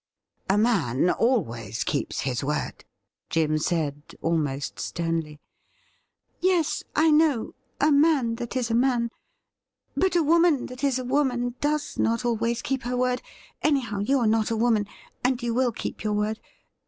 ' A man always keeps his word,' Jim said, almost sternly. * Yes, I know — a man that is a man. But a woman that is a woman does not always keep her word. Any how, you are not a woman, and you will keep your word.